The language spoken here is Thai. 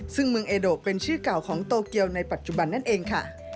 ซึ่งเมืองเอโดเป็นชื่อเก่าของโตเกียวในปัจจุบันนั่นเองค่ะ